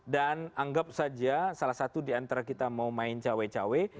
dan anggap saja salah satu diantara kita mau main cawe cawe